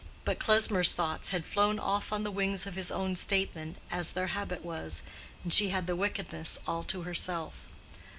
But Klesmer's thoughts had flown off on the wings of his own statement, as their habit was, and she had the wickedness all to herself.